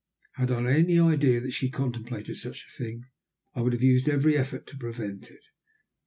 Had I any idea that she contemplated such a thing, I would have used every effort to prevent it.